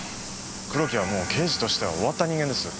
黒木はもう刑事としては終わった人間です。